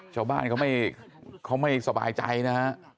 ชาวบ้านเขาไม่สบายใจนะฮะ